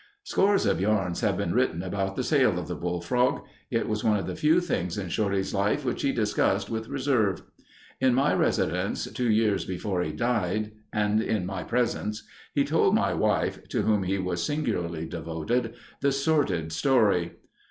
Scores of yarns have been written about the sale of the Bullfrog. It was one of the few things in Shorty's life which he discussed with reserve. In my residence two years before he died and in my presence he told my wife, to whom he was singularly devoted, the sordid story.